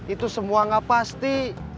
itu semua gak pasti